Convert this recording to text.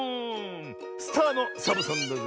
スターのサボさんだぜえ。